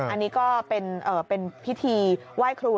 อันนี้ก็เป็นพิธีไหว้ครู